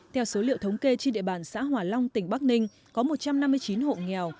theo số liệu thống kê trên địa bàn xã hòa long tỉnh bắc ninh có một trăm năm mươi chín hộ nghèo